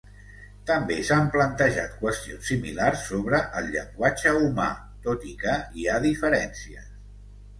També s'han plantejat qüestions similars sobre el llenguatge humà, tot i que hi ha diferències.